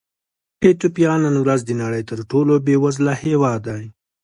ایتوپیا نن ورځ د نړۍ تر ټولو بېوزله هېواد دی.